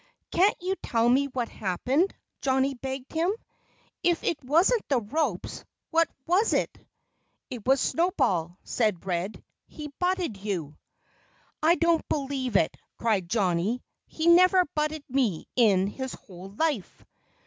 "Can't you tell me what happened?" Johnnie begged him. "If it wasn't the ropes, what was it?" "It was Snowball," said Red. "He butted you." "I don't believe it," cried Johnnie. "He never butted me in his whole life."